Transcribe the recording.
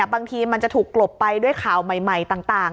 บางทีมันจะถูกกลบไปด้วยข่าวใหม่ต่าง